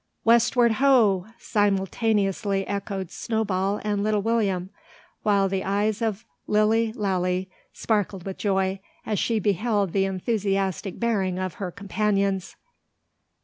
"Westward ho!" simultaneously echoed Snowball and Little William; while the eyes of Lilly Lalee sparkled with joy, as she beheld the enthusiastic bearing of her companions.